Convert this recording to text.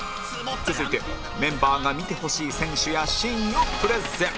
続いてメンバーが見てほしい選手やシーンをプレゼン